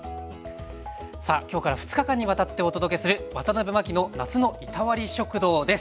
さあ今日から２日間にわたってお届けする「ワタナベマキの夏のいたわり食堂」です。